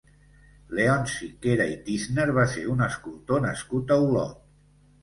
Leonci Quera i Tísner va ser un escultor nascut a Olot.